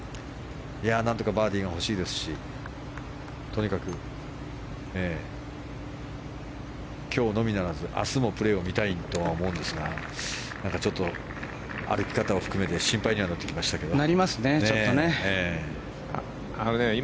何とかバーディーが欲しいですしとにかく今日のみならず明日もプレーを見たいとは思うんですがちょっと歩き方を含めて心配にはなってきましたけど。